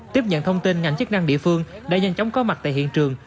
tiếp nhận thông tin ngành chức năng địa phương đã nhanh chóng có mặt tại hiện trường